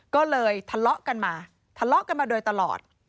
ก็เลยทะเลาะกันมาด้วยตลอด